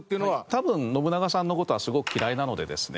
多分信長さんの事はすごく嫌いなのでですね